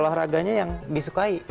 olahraganya yang disukai